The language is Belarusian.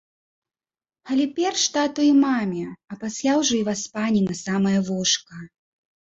Але перш тату і маме, а пасля ўжо і васпані на самае вушка.